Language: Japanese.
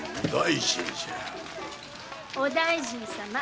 お大尽様。